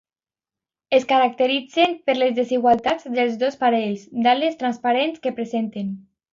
Es caracteritzen per les desigualtats dels dos parells d'ales transparents que presenten.